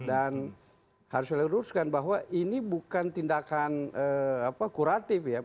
dan harus saya ucapkan bahwa ini bukan tindakan kuratif ya